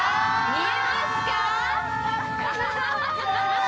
見えますか？